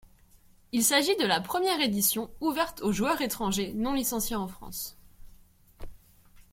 Il s'agit de la première édition ouverte aux joueurs étrangers non licenciés en France.